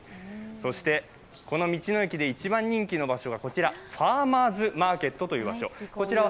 そしてこの道の駅で一番人気の場所がこちらファーマーズマーケットというところ。